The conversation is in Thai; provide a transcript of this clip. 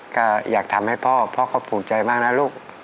ก็อยากทำให้พ่อพ่อเขาภูมิใจมากนะลูก